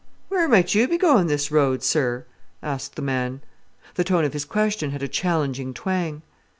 "Where might you be going this road, sir?" asked the man. The tone of his question had a challenging twang.